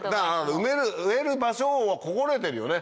植える場所を心得てるよね